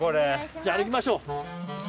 じゃ歩きましょう。